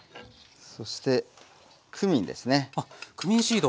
そしてクミンですね。